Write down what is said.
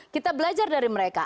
kita belajar dari mereka